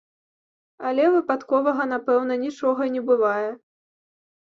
Але выпадковага, напэўна, нічога не бывае.